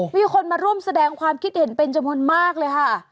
มีคนมาร่วมแสดงความคิดเห็นเป็นจำนวนมากเลยค่ะ